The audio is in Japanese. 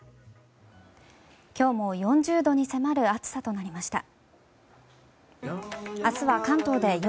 今日も４０度に迫る暑さとなりました。